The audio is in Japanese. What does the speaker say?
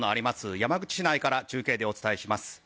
山口市内から中継でお伝えします。